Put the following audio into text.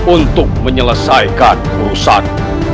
untuk menyelesaikan perusahaan